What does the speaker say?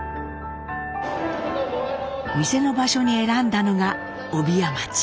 店の場所に選んだのが帯屋町。